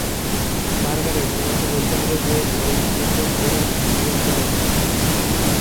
Margaret, তোমাকে বলতে হবে যে ওই দিনটা সাধারণ দিন ছিল।